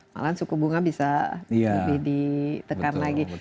malahan suku bunga bisa lebih ditekan lagi